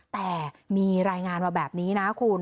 แต่มีรายงานมาแบบนี้นะคุณ